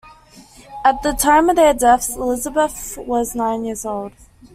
At the time of their deaths, Elizabeth was nine years old.